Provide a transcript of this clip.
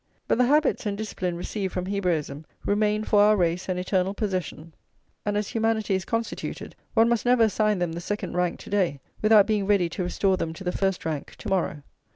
But the habits and discipline received from Hebraism remain for our race an eternal possession; and, as humanity is constituted, one must never assign them the second rank to day, without being ready to restore them to the first rank to morrow.